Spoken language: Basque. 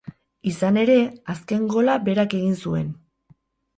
Izan ere, azken gola berak egin zuen.